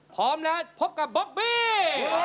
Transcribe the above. พร้อมแล้วพบกับบอบบี้